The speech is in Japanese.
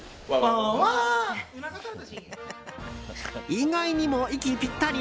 意外にも息ぴったり？